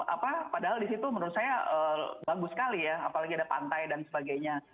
apa padahal di situ menurut saya bagus sekali ya apalagi ada pantai dan sebagainya